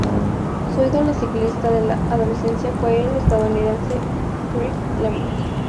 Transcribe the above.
Su ídolo ciclista de la adolescencia fue el estadounidense Greg Lemond.